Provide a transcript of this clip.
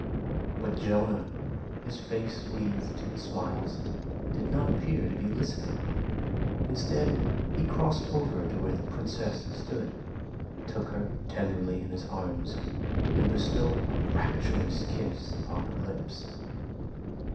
But Jonah, his face wreathed in smiles, did not appear to be listening. Instead, he crossed over to where the Princess stood, took her tenderly in his arms and bestowed a rapturous kiss upon her lips.